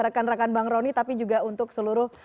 rekan rekan bang rony tapi juga untuk seluruh